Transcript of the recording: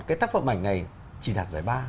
cái tác phẩm ảnh này chỉ đạt giải ba